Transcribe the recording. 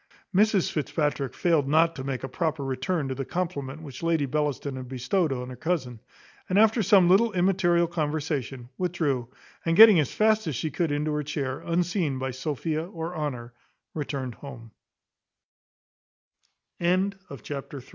Mrs Fitzpatrick failed not to make a proper return to the compliment which Lady Bellaston had bestowed on her cousin, and, after some little immaterial conversation, withdrew; and, getting as fast as she could into her chair, unseen by Sophia or Honour, returned home. Chapter iv. Which consists of visiting.